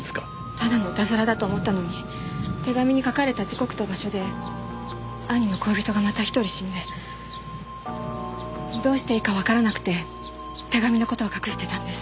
ただのイタズラだと思ったのに手紙に書かれた時刻と場所で兄の恋人がまた１人死んでどうしていいかわからなくて手紙の事は隠してたんです。